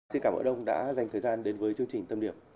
xin cảm ơn ông đã dành thời gian đến với chương trình tâm điểm